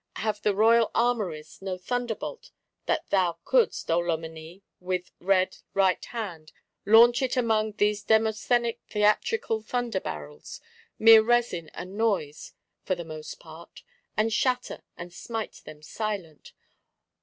Have the royal armories no thunderbolt, that thou couldst, O Loménie, with red right hand, launch it among these Demosthenic theatrical thunder barrels, mere resin and noise for most part;—and shatter, and smite them silent?